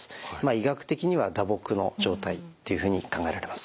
医学的には打撲の状態っていうふうに考えられます。